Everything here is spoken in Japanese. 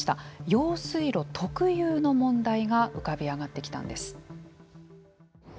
用水路特有の問題が浮かび上がってきたんです。